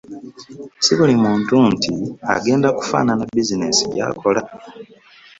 si buli muntu nti agenda kufaanana bizineesi gyakola.